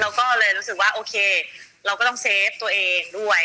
เราก็เลยรู้สึกว่าโอเคเราก็ต้องเซฟตัวเองด้วย